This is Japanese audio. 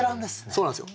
そうなんですよ。